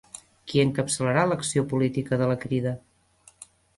Qui encapçalarà l'acció política de la Crida?